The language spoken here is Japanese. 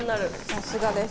さすがです。